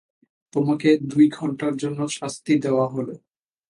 তোমাকে দুই ঘণ্টার জন্য শাস্তি দেওয়া হলো।